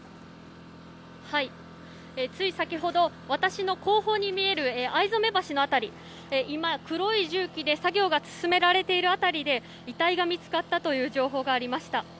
つい先ほど私の後方に見える逢初橋の辺り、今、黒い重機で作業が進められている辺りで遺体が見つかったという情報がありました。